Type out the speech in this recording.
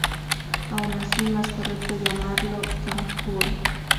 Aun así, más correcto llamarlo Zhang Jue.